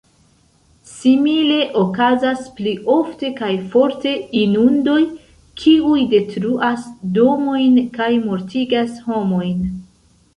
Simile okazas pli ofte kaj forte inundoj, kiuj detruas domojn kaj mortigas homojn.